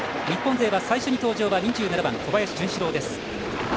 日本勢は最初に登場は２７番、小林潤志郎です。